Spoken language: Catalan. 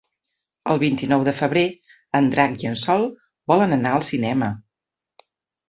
El vint-i-nou de febrer en Drac i en Sol volen anar al cinema.